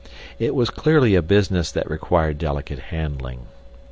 It was clearly a business that required delicate handling.